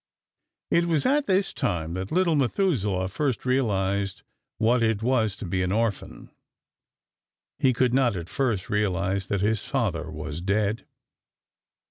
It was at this time that little Methuselah first realized what it was to be an orphan. He could not at first realize that his father was dead.